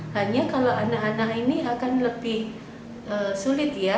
hanya kalau anak anak ini akan lebih sulit ya